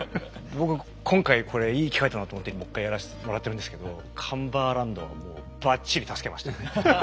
僕今回これいい機会だなと思ってもう一回やらせてもらってるんですけどカンバーランドはもうバッチリ助けましたね。